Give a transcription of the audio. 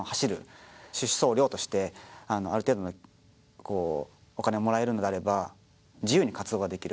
出走料としてある程度のお金をもらえるのであれば自由に活動ができる。